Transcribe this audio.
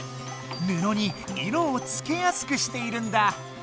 布に色をつけやすくしているんだ。